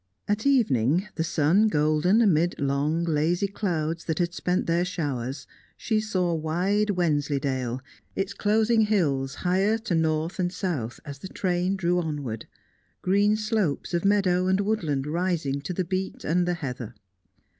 At evening, the sun golden amid long lazy clouds that had spent their showers, she saw wide Wensleydale, its closing hills higher to north and south as the train drew onward, green slopes of meadow and woodland rising to the beat and the heather.